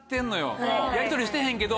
やりとりしてへんけど。